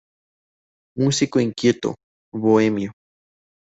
Músico inquieto, bohemio.